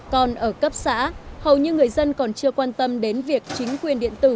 còn ở cấp xã hầu như người dân còn chưa quan tâm đến việc chính quyền điện tử